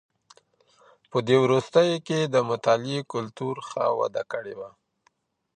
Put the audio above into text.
په دې وروستيو کي د مطالعې فرهنګ ښه وده کړې وه.